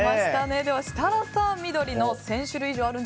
では、設楽さん、緑の１０００種類以上。